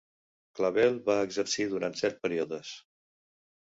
Clavelle va exercir durant set períodes.